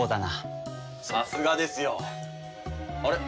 さすがですよ。あれ？